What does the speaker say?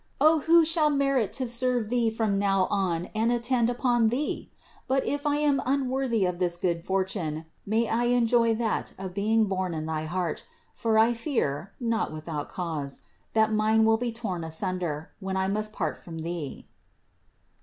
O who shall merit to serve Thee from now on and attend upon Thee! But if I am unworthy of this good fortune, may I enjoy that of being borne in thy heart; for I fear (not without cause) that mine will be torn asunder, when I must part from Thee."